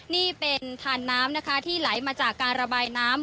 นี่เป็นทานน้ำนะคะที่ไหลมาจากการระบายน้ำ